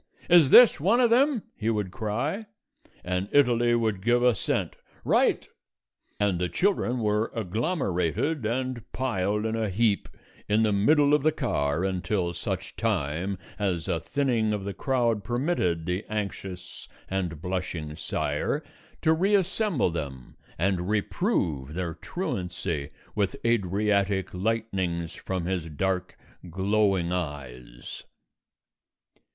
"Is this one of them?" he would cry, and Italy would give assent. "Right!" And the children were agglomerated and piled in a heap in the middle of the car until such time as a thinning of the crowd permitted the anxious and blushing sire to reassemble them and reprove their truancy with Adriatic lightnings from his dark glowing eyes.